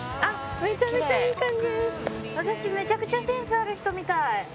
私めちゃくちゃセンスある人みたい。